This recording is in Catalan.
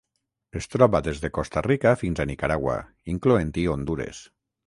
Es troba des de Costa Rica fins a Nicaragua, incloent-hi Hondures.